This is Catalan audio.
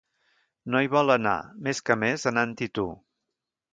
No hi vol anar, més que més anant-hi tu.